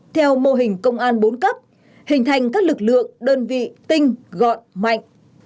theo mô hình công an bốn cấp hình thành các lực lượng đơn vị tinh gọn mạnh